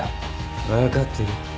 分かってるって。